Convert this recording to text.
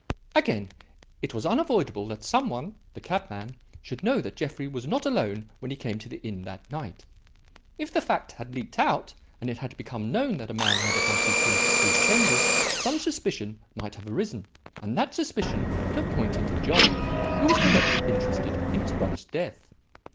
"Again; it was unavoidable that some one the cabman should know that Jeffrey was not alone when he came to the inn that night. If the fact had leaked out and it had become known that a man had accompanied him to his chambers, some suspicion might have arisen, and that suspicion would have pointed to John, who was directly interested in his brother's death.